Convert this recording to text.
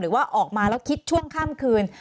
ว่าออกมาแล้วคิดช่วงข้ามคืน